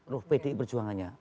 roh pdi perjuangannya